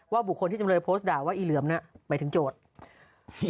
บุคคลที่จำเลยโพสต์ด่าว่าอีเหลือมเนี่ยหมายถึงโจทย์